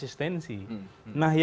tidak ada konsistensi